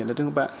ở đất nước các bạn